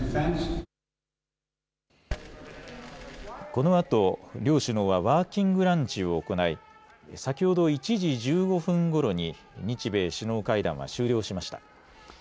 このあと、両首脳はワーキングランチを行い、先ほど１時１５分ごろに日米首脳会談は終了しました。